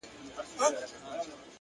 پرمختګ له دوامداره هڅې زېږي.!